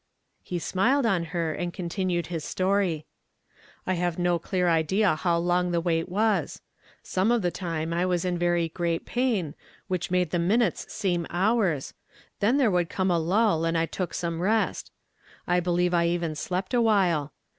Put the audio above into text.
lie smiled on her and continued his story: — "I have no clear idea how long the wait was. Some of the time I was in very great pain, which made the minutes seem hours, then there would come a lull and I took some rest ; I believe I even slept a while.